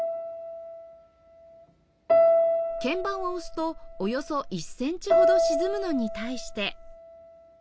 鍵盤を押すとおよそ１センチほど沈むのに対して